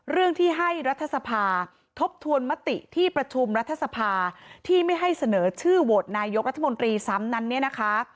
เรื่องที่ให้รัฐสภาทบทวนมติที่ประชุมรัฐสภาที่ไม่ให้เสนอชื่อโหวตนายกรัฐมนตรีซ้ำนั้นเนี่ยนะคะ